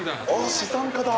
資産家だ。